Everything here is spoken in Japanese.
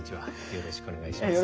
よろしくお願いします。